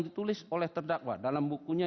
ditulis oleh terdakwa dalam bukunya